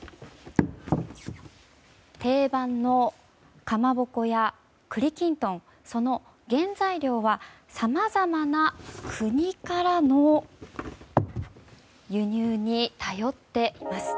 定番のカマボコや栗きんとんその原材料はさまざまな国からの輸入に頼っています。